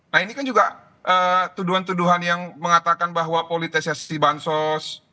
nah ini kan juga tuduhan tuduhan yang mengatakan bahwa politisasi bansos